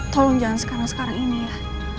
tolong jangan sekarang sekarang ini ya